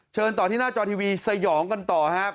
เชิญต่อที่หน้าจอทีวีสยองกันต่อครับ